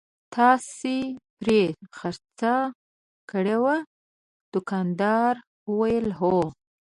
تاسې پرې خرڅه کړې وه؟ دوکاندارې وویل: هو.